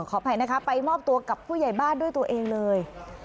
ขออภัยนะคะไปมอบตัวกับผู้ใหญ่บ้านด้วยตัวเองเลย